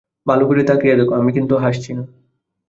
ভালো করে তাকিয়ে দেখ, আমি কিন্তু হাসছি না।